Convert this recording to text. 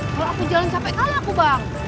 kalau aku jalan sampai kalah aku bang